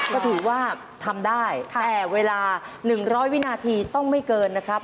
ก็ถือว่าทำได้แต่เวลา๑๐๐วินาทีต้องไม่เกินนะครับ